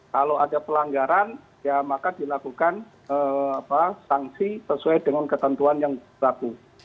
kalau ada pelanggaran ya maka dilakukan sanksi sesuai dengan ketentuan yang berlaku